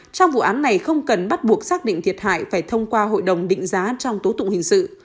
trong vụ án này không cần bắt buộc xác định thiệt hại phải thông qua hội đồng định giá trong tố tụng hình sự